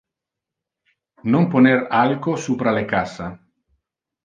Non poner alco supra le cassa.